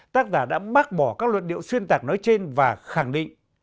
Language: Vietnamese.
tác giả đã bác bỏ các luận điệu xuyên tạc nói trên và khẳng định